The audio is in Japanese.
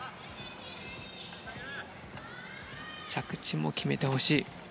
着地も決めてほしい。